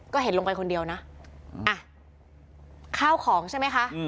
ก็เห็นลงไปคนเดียวนะอ่ะข้าวของใช่ไหมคะ